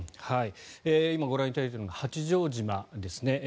今ご覧いただいているのが八丈島ですね。